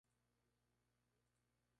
En este sexenio alcanzó la gloria como autor.